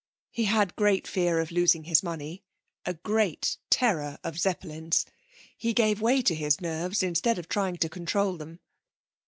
He had great fear of losing his money, a great terror of Zeppelins; he gave way to his nerves instead of trying to control them.